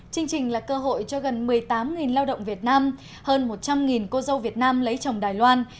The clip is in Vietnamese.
chương trình là cơ hội cho gần một mươi tám lao động việt nam hơn một trăm linh cô dâu việt nam lấy chồng đài loan